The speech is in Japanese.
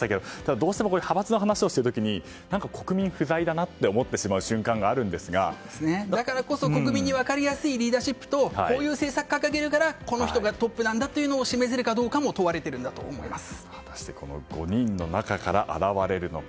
どうしても派閥の話をしている時国民不在と思ってしまう瞬間がだからこそ国民に分かりやすいリーダーシップとこういう政策を掲げるからこの人がトップなんだと示せるかどうかも問われていると果たして５人の中から現れるのか